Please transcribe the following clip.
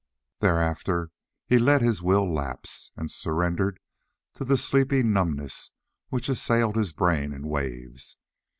Thereafter he let his will lapse, and surrendered to the sleepy numbness which assailed his brain in waves.